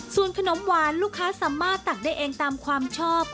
ส่วนขนมหวานลูกค้าสามารถตักได้เองตามความชอบ